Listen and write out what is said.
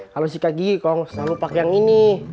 kalau sikat gigi kong selalu pakai yang ini